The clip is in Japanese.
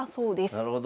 なるほど。